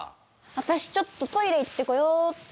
私ちょっとトイレ行ってこようっと。